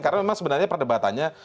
karena memang sebenarnya perdebatannya